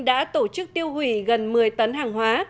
đã tổ chức tiêu hủy gần một mươi tấn hàng hóa